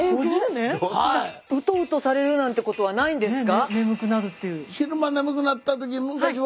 うとうとされるなんていうことはないんですか？